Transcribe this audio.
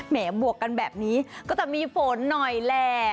บวกกันแบบนี้ก็จะมีฝนหน่อยแหละ